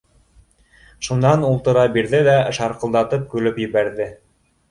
Шунан ултыра бирҙе лә шарҡылдатып көлөп ебәрҙе.